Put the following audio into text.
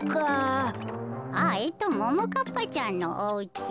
あももかっぱちゃんのおうち。